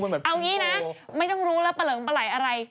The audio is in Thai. เอานี้นะไม่ต้องรู้แล้วเปลืองปลาไหลอะไร